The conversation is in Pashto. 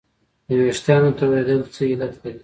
د وېښتانو تویدل څه علت لري